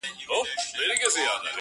مشره زه يم کونه د دادا لو ده.